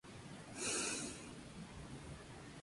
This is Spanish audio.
La Gobernación de Homs está situada en la parte central del país.